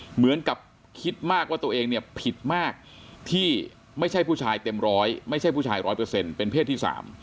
เหมือนกับคิดมากว่าตัวเองเนี่ยผิดมากที่ไม่ใช่ผู้ชายเต็มร้อยไม่ใช่ผู้ชาย๑๐๐เป็นเพศที่๓